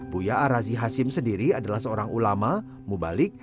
buya arazi hasim sendiri adalah seorang ulama mubalik